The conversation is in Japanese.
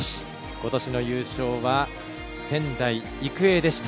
ことしの優勝は仙台育英でした。